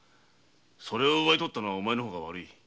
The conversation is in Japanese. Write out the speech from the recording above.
それを奪ったのはお前の方が悪い。